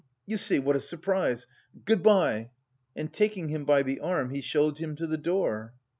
you see, what a surprise!... Good bye!" And taking him by the arm, he showed him to the door.